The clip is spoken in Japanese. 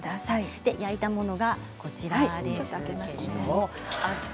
焼いたものがこちらです。